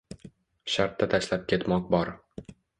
Shartta tashlab ketmoq bor.